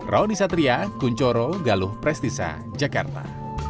roni satria kunchoro galuh prestisa jakarta